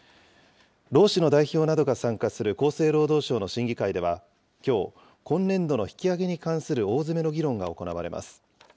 労使の代表などが参加する厚生労働省の審議会では、きょう、今年度の引き上げに関する大詰めの議論が行われます。